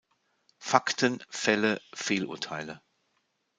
Fakten Fälle Fehlurteile.